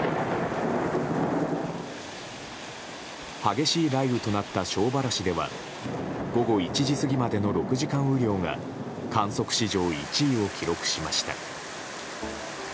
激しい雷雨となった庄原市では午後１時過ぎまでの６時間雨量が観測史上１位を記録しました。